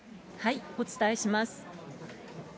お伝えします。